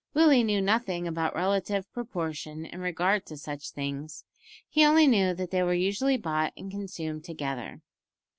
Willie knew nothing about relative proportion in regard to such things; he only knew that they were usually bought and consumed together.